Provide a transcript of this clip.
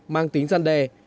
mang tính gian đề